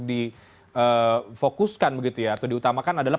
di fokuskan begitu ya atau diutamakan adalah